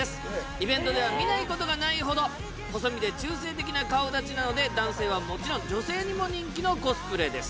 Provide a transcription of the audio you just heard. イベントでは見ないことがないほど細身で中性的な顔だちなので男性はもちろん女性にも人気のコスプレです